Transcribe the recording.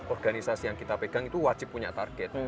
organisasi yang kita pegang itu wajib punya target